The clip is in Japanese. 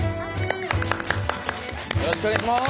よろしくお願いします！